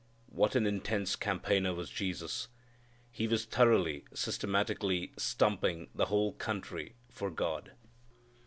What an intense campaigner was Jesus! He was thoroughly, systematically stumping the whole country for God.